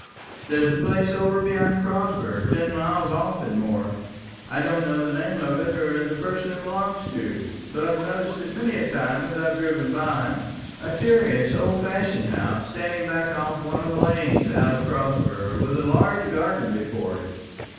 There's a place over beyond Crosber, ten miles off and more; I don't know the name of it, or the person it belongs to; but I've noticed it many a time as I've driven by; a curious old fashioned house, standing back off one of the lanes out of Crosber, with a large garden before it.